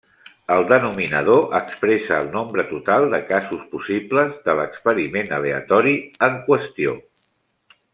El denominador expressa el nombre total de casos possibles de l'experiment aleatori en qüestió.